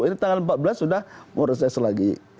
ini tanggal empat belas sudah mau reses lagi